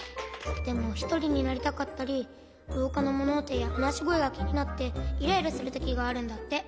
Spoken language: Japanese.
でもひとりになりたかったりろうかのものおとやはなしごえがきになってイライラするときがあるんだって。